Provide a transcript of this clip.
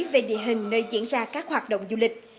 về địa hình nơi diễn ra các hoạt động du lịch